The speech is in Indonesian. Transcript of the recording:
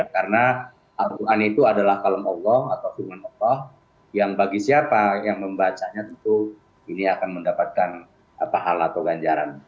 karena al quran itu adalah kalam allah atau firman allah yang bagi siapa yang membacanya tentu ini akan mendapatkan pahala atau ganjaran